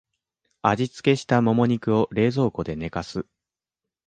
味付けしたモモ肉を冷蔵庫で寝かす